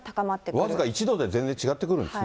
僅か１度で全然違ってくるんですね。